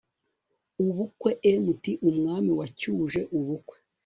UBUKWE Mt umwami wacyuje ubukwe